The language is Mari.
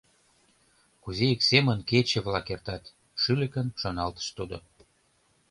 «Кузе ик семын кече-влак эртат, — шӱлыкын шоналтыш тудо.